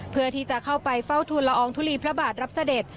เพื่อที่จะเข้าไปเฝ้าทุนละอองทุลีพระบาทรับเสด็จ